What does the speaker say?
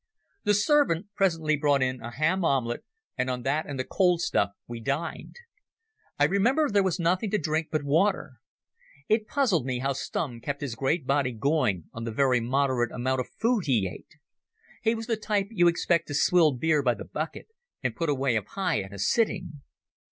The servant presently brought in a ham omelette, and on that and the cold stuff we dined. I remember there was nothing to drink but water. It puzzled me how Stumm kept his great body going on the very moderate amount of food he ate. He was the type you expect to swill beer by the bucket and put away a pie in a sitting.